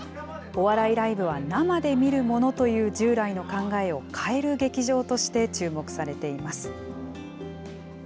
お笑いライブは生で見るものという従来の考えを変える劇場として注目されています。